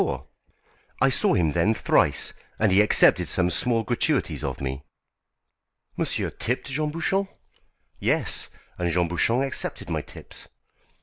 I saw him then thrice, and he accepted some small gratuities of me." "Monsieur tipped Jean Bouchon?" "Yes, and Jean Bouchon accepted my tips."